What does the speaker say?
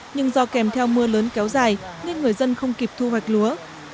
nhưng do kèm theo mưa lớn kéo dài nên người dân không kịp thu hoạch lúa